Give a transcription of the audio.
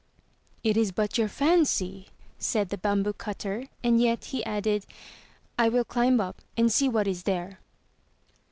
"It is but your fancy,*' said the bamboo cutter and yet he added, "I will climb up and see what is there."